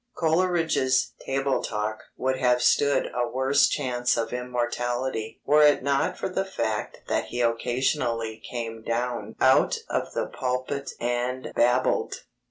Coleridge's Table Talk would have stood a worse chance of immortality were it not for the fact that he occasionally came down out of the pulpit and babbled.